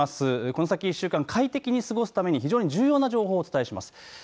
この先１週間快適に過ごすために非常に重要な情報をお伝えします。